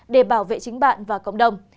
để bảo vệ chính bạn và cộng đồng